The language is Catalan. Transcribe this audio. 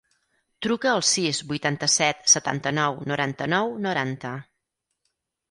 Truca al sis, vuitanta-set, setanta-nou, noranta-nou, noranta.